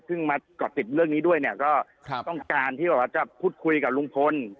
เพิ่งมัดก่อติดเรื่องนี้ด้วยก็ต้องการที่จะพูดคุยกับรุงพล